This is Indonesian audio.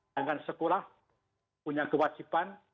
dengan sekolah punya kewajiban